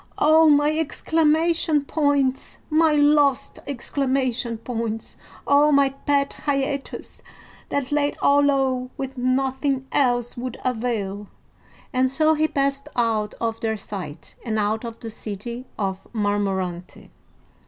"Oh, my exclamation points, my lost exclamation points! Oh, my pet hiatus that laid all low when nothing else would avail!" and so he passed out of their sight, and out of the city of Marmorante.